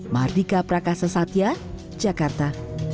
mardika prakasa satya jakarta